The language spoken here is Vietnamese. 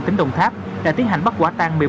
tỉnh đồng tháp đã tiến hành bắt quả tăng